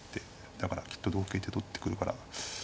だからきっと同桂って取ってくるからそうですね